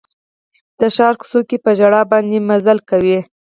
د ښار کوڅو کې په ژړا باندې مزلې کوي